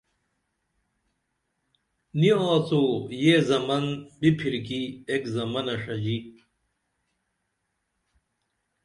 نی آڅو یہ زمن بِپھرکی ایک زمنہ ݜژی